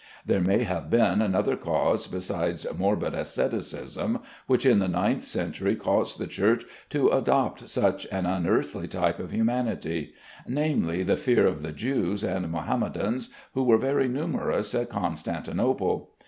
There may have been another cause besides morbid asceticism which in the ninth century caused the Church to adopt such an unearthly type of humanity; namely, the fear of the Jews and Mahometans, who were very numerous at Constantinople.